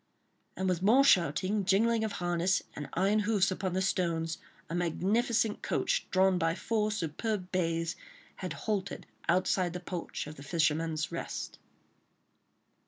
And with more shouting, jingling of harness, and iron hoofs upon the stones, a magnificent coach, drawn by four superb bays, had halted outside the porch of "The Fisherman's Rest."